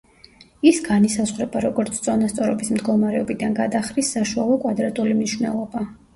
ის განისაზღვრება როგორც წონასწორობის მდგომარეობიდან გადახრის საშუალო კვადრატული მნიშვნელობა.